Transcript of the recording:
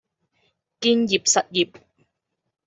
建業實業